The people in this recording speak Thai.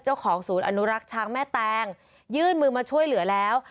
เจ้าของศูนย์อนุรักษ์ช้างแม่แตงยื่นมือมาช่วยเหลือแล้ว